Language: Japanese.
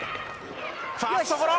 ファーストゴロ！